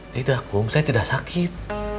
tidak kum saya tidak sakit